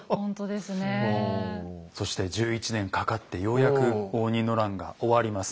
そして１１年かかってようやく応仁の乱が終わります。